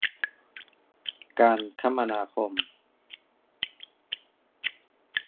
การคมนาคม